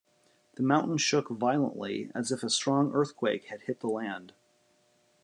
The mountain shook violently as if a strong earthquake had hit the land.